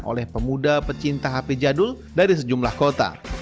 oleh pemuda pecinta hp jadul dari sejumlah kota